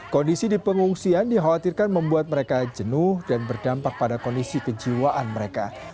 kondisi di pengungsian dikhawatirkan membuat mereka jenuh dan berdampak pada kondisi kejiwaan mereka